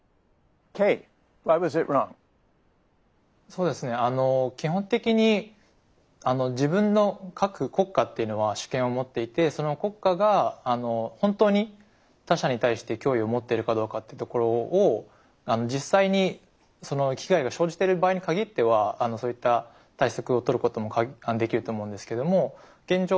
そうですねあの基本的に自分の各国家っていうのは主権を持っていてその国家が本当に他者に対して脅威を持っているかどうかってところを実際にその危害が生じてる場合に限ってはそういった対策をとることもできると思うんですけども現状